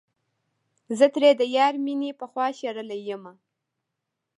زه ترې د يار مينې پخوا شړلے يمه